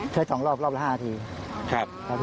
ช่วงเช้ามันเกิดเหตุ